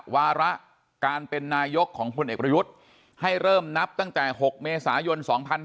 วาระการเป็นนายกของพลเอกประยุทธ์ให้เริ่มนับตั้งแต่๖เมษายน๒๕๕๙